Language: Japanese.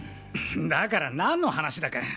だから何の話だか。